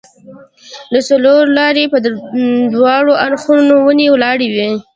د څلورلارې پر دواړو اړخو ونې ولاړې وې.